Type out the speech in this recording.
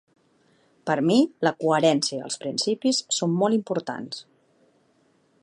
Per mi, la coherència i els principis són molt importants.